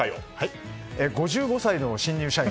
５５歳の新入社員。